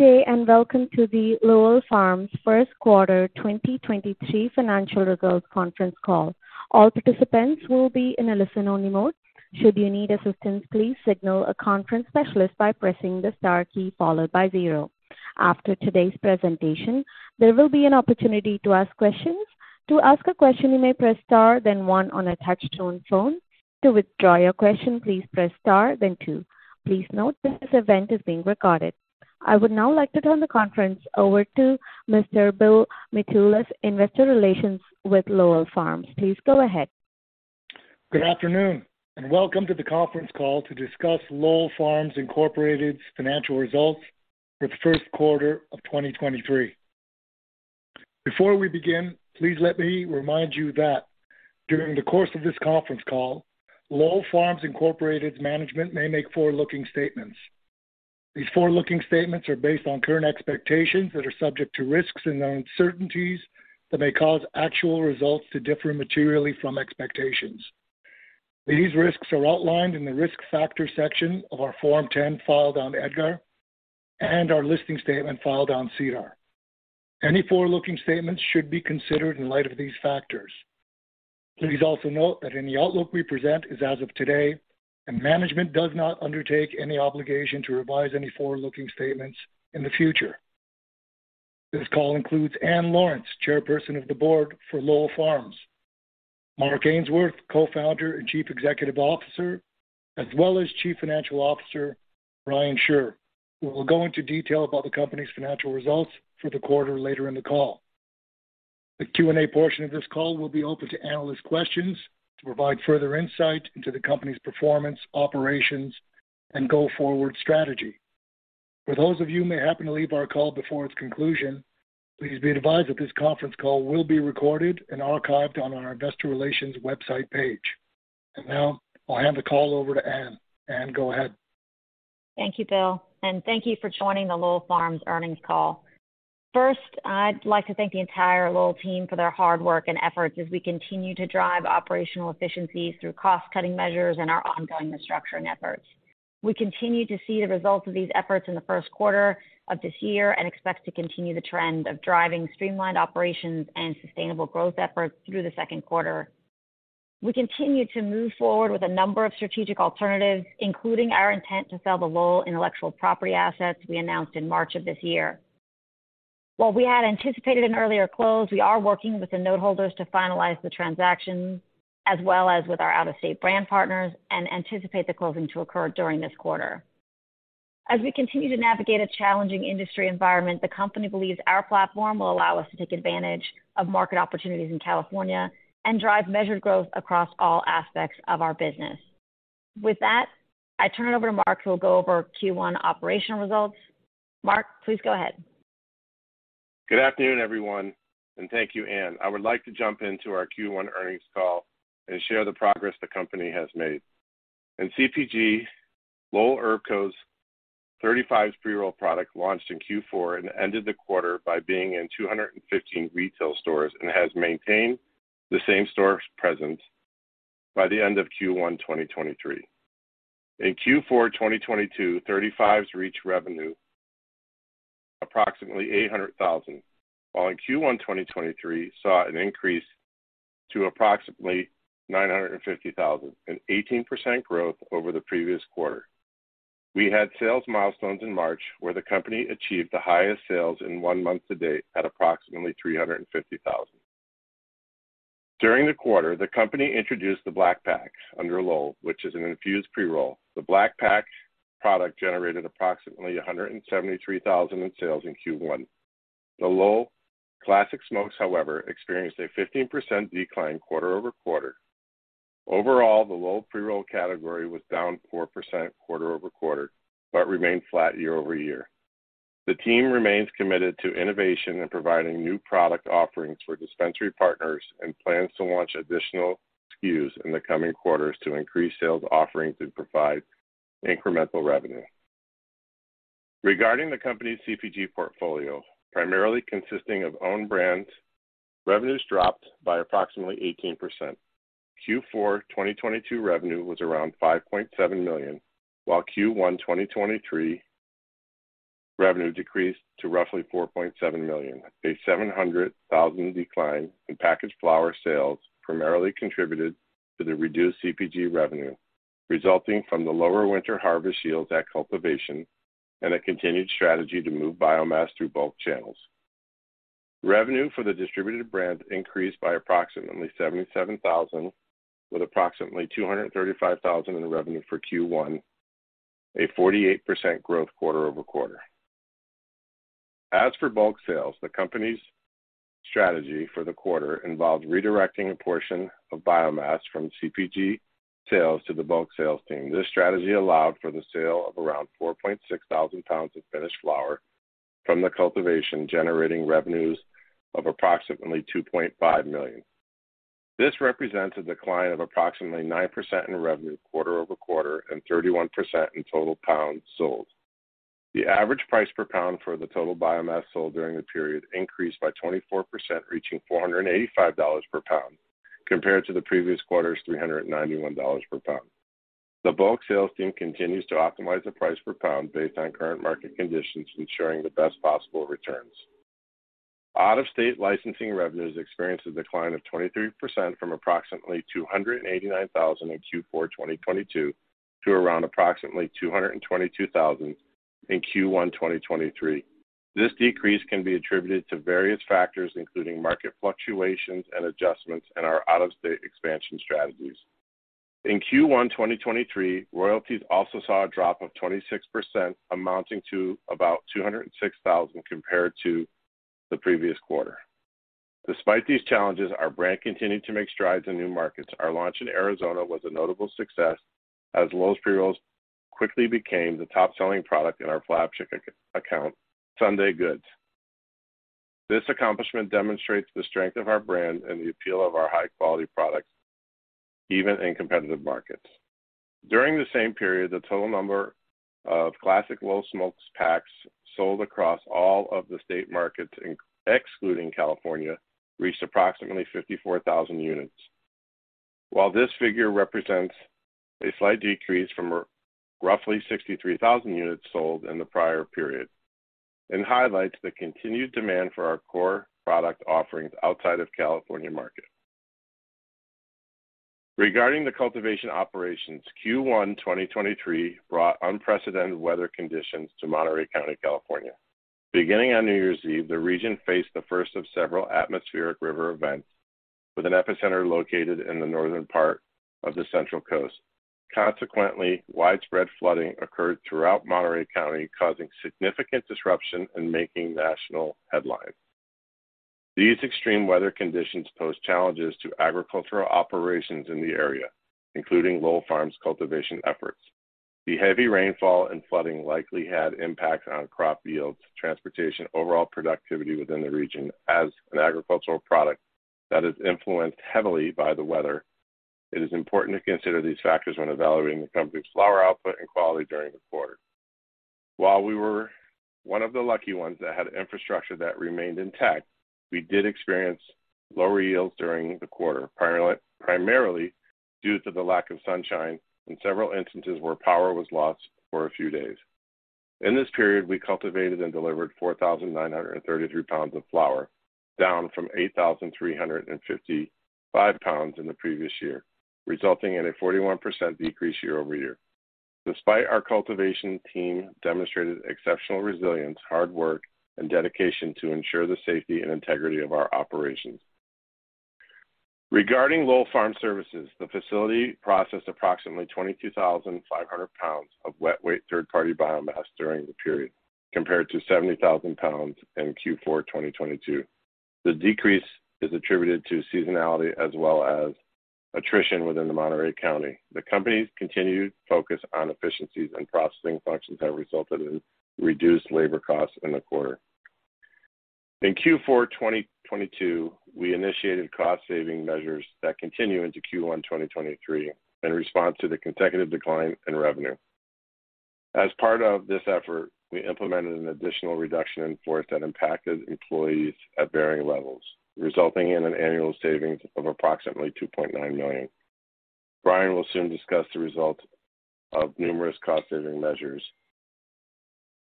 Good day, welcome to the Lowell Farms first quarter 2023 financial results conference call. All participants will be in a listen-only mode. Should you need assistance, please signal a conference specialist by pressing the star key followed by zero. After today's presentation, there will be an opportunity to ask questions. To ask a question, you may press star then one on a touch-tone phone. To withdraw your question, please press star then two. Please note this event is being recorded. I would now like to turn the conference over to Mr. Bill Mitoulas, Investor Relations with Lowell Farms. Please go ahead. Good afternoon, and welcome to the conference call to discuss Lowell Farms Inc.'s financial results for the first quarter of 2023. Before we begin, please let me remind you that during the course of this conference call, Lowell Farms Inc.'s management may make forward-looking statements. These forward-looking statements are based on current expectations that are subject to risks and uncertainties that may cause actual results to differ materially from expectations. These risks are outlined in the Risk Factors section of our Form 10 filed on EDGAR and our listing statement filed on SEDAR. Any forward-looking statements should be considered in light of these factors. Please also note that any outlook we present is as of today, and management does not undertake any obligation to revise any forward-looking statements in the future. This call includes Ann Lawrence, Chairperson of the Board for Lowell Farms, Mark Ainsworth, Co-founder and Chief Executive Officer, as well as Chief Financial Officer Brian Shure, who will go into detail about the company's financial results for the quarter later in the call. The Q&A portion of this call will be open to analyst questions to provide further insight into the company's performance, operations, and go-forward strategy. For those of you who may happen to leave our call before its conclusion, please be advised that this conference call will be recorded and archived on our investor relations website page. Now I'll hand the call over to Ann. Ann, go ahead. Thank you, Bill, and thank you for joining the Lowell Farms earnings call. First, I'd like to thank the entire Lowell team for their hard work and efforts as we continue to drive operational efficiencies through cost-cutting measures and our ongoing restructuring efforts. We continue to see the results of these efforts in the first quarter of this year and expect to continue the trend of driving streamlined operations and sustainable growth efforts through the second quarter. We continue to move forward with a number of strategic alternatives, including our intent to sell the Lowell intellectual property assets we announced in March of this year. While we had anticipated an earlier close, we are working with the note holders to finalize the transactions, as well as with our out-of-state brand partners and anticipate the closing to occur during this quarter. As we continue to navigate a challenging industry environment, the company believes our platform will allow us to take advantage of market opportunities in California and drive measured growth across all aspects of our business. With that, I turn it over to Mark, who will go over Q1 operational results. Mark, please go ahead. Good afternoon, everyone. Thank you, Ann. I would like to jump into our Q1 earnings call and share the progress the company has made. In CPG, Lowell Herb Co.'s 35 pre-roll product launched in Q4 and ended the quarter by being in 215 retail stores and has maintained the same store presence by the end of Q1 2023. In Q4 2022, 35s reached revenue approximately $800 thousand, while in Q1 2023 saw an increase to approximately $950 thousand, an 18% growth over the previous quarter. We had sales milestones in March where the company achieved the highest sales in one month to date at approximately $350 thousand. During the quarter, the company introduced the Black Pack under Lowell, which is an infused pre-roll. The Black Pack product generated approximately $173,000 in sales in Q1. The Lowell Classic Smokes, however, experienced a 15% decline quarter-over-quarter. Overall, the Lowell pre-roll category was down 4% quarter-over-quarter but remained flat year-over-year. The team remains committed to innovation and providing new product offerings for dispensary partners and plans to launch additional SKUs in the coming quarters to increase sales offerings and provide incremental revenue. Regarding the company's CPG portfolio, primarily consisting of own brands, revenues dropped by approximately 18%. Q4 2022 revenue was around $5.7 million, while Q1 2023 revenue decreased to roughly $4.7 million. A $0.7 million decline in packaged flower sales primarily contributed to the reduced CPG revenue, resulting from the lower winter harvest yields at cultivation and a continued strategy to move biomass through bulk channels. Revenue for the distributed brands increased by approximately $77,000, with approximately $0.235 million in revenue for Q1, a 48% growth quarter-over-quarter. As for bulk sales, the company's strategy for the quarter involved redirecting a portion of biomass from CPG sales to the bulk sales team. This strategy allowed for the sale of around 4,600 pounds of finished flower from the cultivation, generating revenues of approximately $2.5 million. This represents a decline of approximately 9% in revenue quarter-over-quarter and 31% in total pounds sold. The average price per pound for the total biomass sold during the period increased by 24%, reaching $485 per pound, compared to the previous quarter's $391 per pound. The bulk sales team continues to optimize the price per pound based on current market conditions, ensuring the best possible returns. Out-of-state licensing revenues experienced a decline of 23% from approximately $0.289 million in Q4 2022 to approximately $0.222 million in Q1 2023. This decrease can be attributed to various factors, including market fluctuations and adjustments in our out-of-state expansion strategies. In Q1 2023, royalties also saw a drop of 26%, amounting to about $0.206 million compared to the previous quarter. Despite these challenges, our brand continued to make strides in new markets. Our launch in Arizona was a notable success as Lowell's pre-rolls quickly became the top-selling product in our flagship account, Sunday Goods. This accomplishment demonstrates the strength of our brand and the appeal of our high-quality products even in competitive markets. During the same period, the total number of classic Lowell Smokes packs sold across all of the state markets, excluding California, reached approximately 54,000 units. While this figure represents a slight decrease from roughly 63,000 units sold in the prior period and highlights the continued demand for our core product offerings outside of California market. Regarding the cultivation operations, Q1 2023 brought unprecedented weather conditions to Monterey County, California. Beginning on New Year's Eve, the region faced the first of several atmospheric river events, with an epicenter located in the northern part of the Central Coast. Consequently, widespread flooding occurred throughout Monterey County, causing significant disruption and making national headlines. These extreme weather conditions pose challenges to agricultural operations in the area, including Lowell Farms' cultivation efforts. The heavy rainfall and flooding likely had impact on crop yields, transportation, overall productivity within the region as an agricultural product that is influenced heavily by the weather. It is important to consider these factors when evaluating the company's flower output and quality during the quarter. While we were one of the lucky ones that had infrastructure that remained intact, we did experience lower yields during the quarter, primarily due to the lack of sunshine in several instances where power was lost for a few days. In this period, we cultivated and delivered 4,933 pounds of flower, down from 8,355 pounds in the previous year, resulting in a 41% decrease year-over-year. Despite, our cultivation team demonstrated exceptional resilience, hard work, and dedication to ensure the safety and integrity of our operations. Regarding Lowell Farm Services, the facility processed approximately 22,500 pounds of wet weight third-party biomass during the period, compared to 70,000 pounds in Q4 2022. The decrease is attributed to seasonality as well as attrition within the Monterey County. The company's continued focus on efficiencies and processing functions have resulted in reduced labor costs in the quarter. In Q4 2022, we initiated cost-saving measures that continue into Q1 2023 in response to the consecutive decline in revenue. As part of this effort, we implemented an additional reduction in force that impacted employees at varying levels, resulting in an annual savings of approximately $2.9 million. Brian will soon discuss the result of numerous cost-saving measures,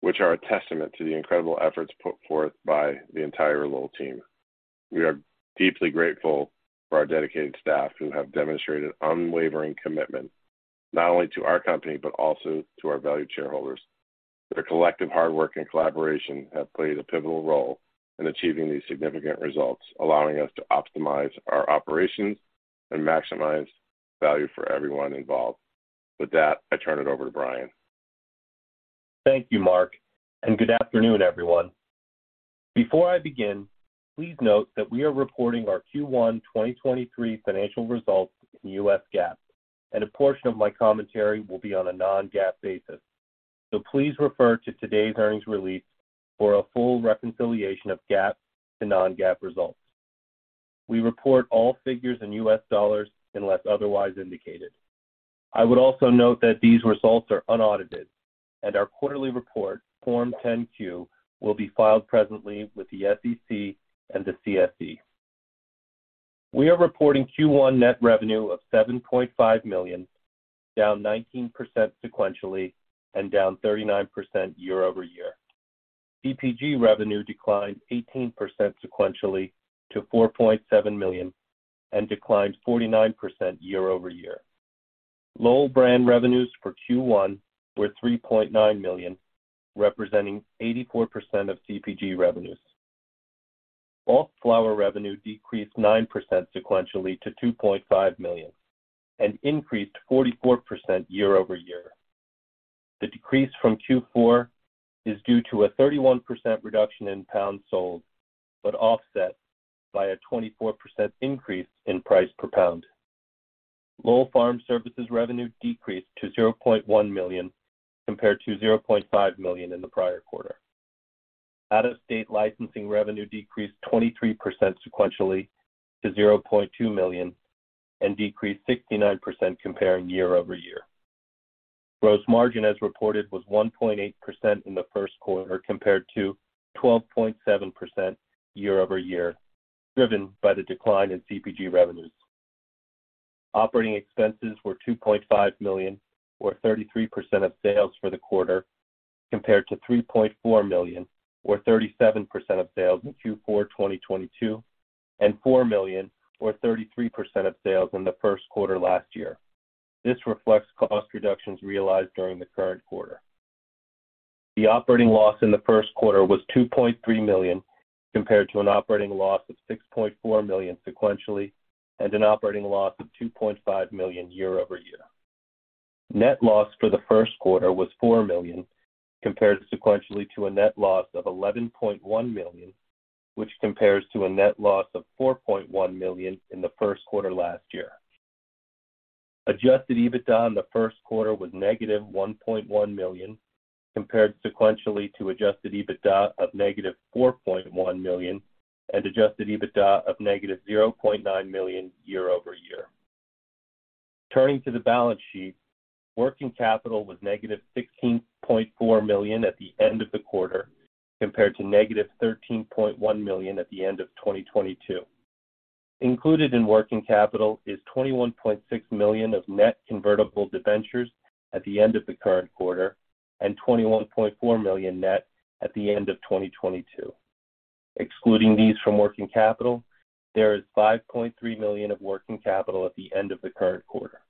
which are a testament to the incredible efforts put forth by the entire Lowell team. We are deeply grateful for our dedicated staff who have demonstrated unwavering commitment, not only to our company, but also to our valued shareholders. Their collective hard work and collaboration have played a pivotal role in achieving these significant results, allowing us to optimize our operations and maximize value for everyone involved. With that, I turn it over to Brian. Thank you, Mark. Good afternoon, everyone. Before I begin, please note that we are reporting our Q1 2023 financial results in U.S. GAAP, and a portion of my commentary will be on a non-GAAP basis. Please refer to today's earnings release for a full reconciliation of GAAP to non-GAAP results. We report all figures in U.S. dollars unless otherwise indicated. I would also note that these results are unaudited and our quarterly report, Form 10-Q, will be filed presently with the SEC and the CSE. We are reporting Q1 net revenue of $7.5 million, down 19% sequentially and down 39% year-over-year. CPG revenue declined 18% sequentially to $4.7 million and declined 49% year-over-year. Lowell brand revenues for Q1 were $3.9 million, representing 84% of CPG revenues. Bulk flower revenue decreased 9% sequentially to $2.5 million and increased 44% year-over-year. The decrease from Q4 is due to a 31% reduction in pounds sold, but offset by a 24% increase in price per pound. Lowell Farm Services revenue decreased to $0.1 million compared to $0.5 million in the prior quarter. Out-of-state licensing revenue decreased 23% sequentially to $0.2 million and decreased 69% comparing year-over-year. Gross margin as reported was 1.8% in the first quarter compared to 12.7% year-over-year, driven by the decline in CPG revenues. Operating expenses were $2.5 million or 33% of sales for the quarter, compared to $3.4 million or 37% of sales in Q4, 2022, and $4 million or 33% of sales in the first quarter last year. This reflects cost reductions realized during the current quarter. The operating loss in the first quarter was $2.3 million compared to an operating loss of $6.4 million sequentially and an operating loss of $2.5 million year-over-year. Net loss for the first quarter was $4 million compared sequentially to a net loss of $11.1 million, which compares to a net loss of $4.1 million in the first quarter last year. Adjusted EBITDA in the first quarter was -$1.1 million, compared sequentially to Adjusted EBITDA of -$4.1 million and Adjusted EBITDA of -$0.9 million year-over-year. Turning to the balance sheet, working capital was -$16.4 million at the end of the quarter compared to -$13.1 million at the end of 2022. Included in working capital is $21.6 million of net convertible debentures at the end of the current quarter and $21.4 million net at the end of 2022. Excluding these from working capital, there is $5.3 million of working capital at the end of the current quarter.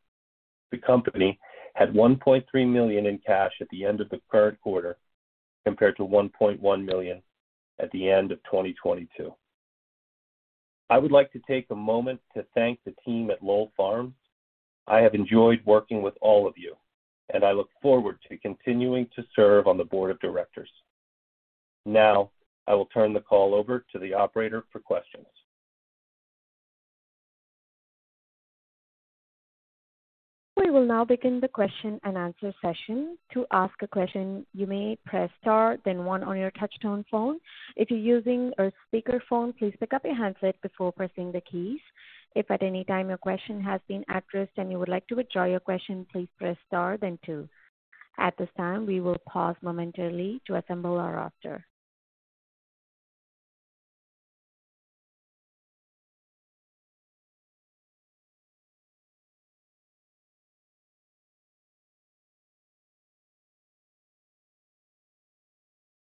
The company had $1.3 million in cash at the end of the current quarter, compared to $1.1 million at the end of 2022. I would like to take a moment to thank the team at Lowell Farms. I have enjoyed working with all of you, and I look forward to continuing to serve on the board of directors. Now I will turn the call over to the operator for questions. We will now begin the question and answer session. To ask a question, you may press Star then one on your touchtone phone. If you're using a speaker phone, please pick up your handset before pressing the keys. If at any time your question has been addressed and you would like to withdraw your question, please press Star then two. At this time, we will pause momentarily to assemble our roster.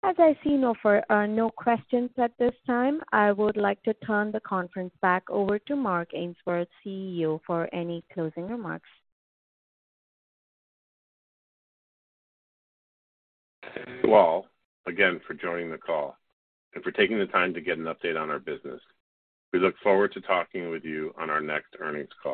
As I see no questions at this time, I would like to turn the conference back over to Mark Ainsworth, CEO, for any closing remarks. Thank you all again for joining the call and for taking the time to get an update on our business. We look forward to talking with you on our next earnings call.